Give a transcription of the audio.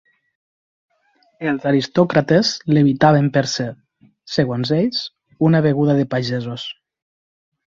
Els aristòcrates l'evitaven per ser, segons ells, una beguda de pagesos.